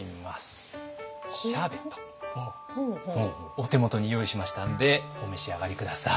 お手元に用意しましたんでお召し上がり下さい。